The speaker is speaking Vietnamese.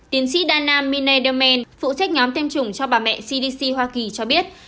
tiến sĩ dana mine doman phụ trách nhóm tiêm chủng cho bà mẹ cdc hoa kỳ cho biết